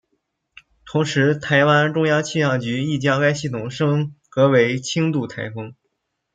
同时台湾中央气象局亦将该系统升格为轻度台风。